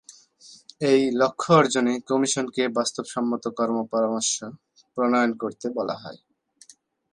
এ লক্ষ্য অর্জনে কমিশনকে বাস্তবসম্মত কর্মপরামর্শ প্রণয়ন করতে বলা হয়।